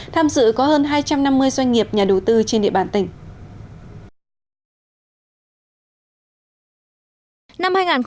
tham dự có hơn hai trăm năm mươi doanh nghiệp nhà đầu tư trên địa bàn tỉnh